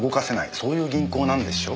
そういう銀行なんでしょ？